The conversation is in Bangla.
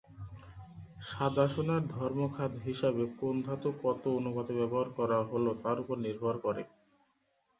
সাদা সোনার ধর্ম খাদ হিসাবে কোন ধাতু কত অনুপাতে ব্যবহার করা হল তার উপর নির্ভর করে।